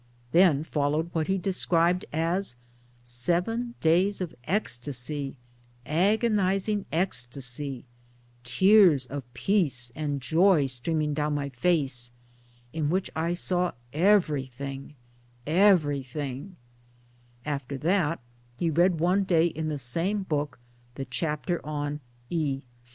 Then followed what he described as " seven days of ecstasy, agonizing ecstasy tears of peace and joy streaming down my face in which I saw everything, everything" After that he read one day in the same book the chapter on E.